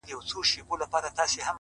د سترگو کسي چي دي سره په دې لوگيو نه سي!